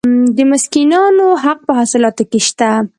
د مسکینانو حق په حاصلاتو کې شته.